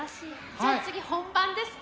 じゃあ次本番ですか？